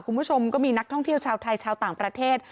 คุณผู้ชมก็มีนักท่องเที่ยวชาวไทยชาวต่างประเทศ